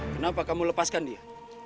kenapa kamu lepaskan dia